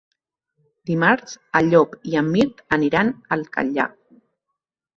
Dimarts en Llop i en Mirt aniran al Catllar.